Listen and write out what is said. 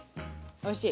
おいしい！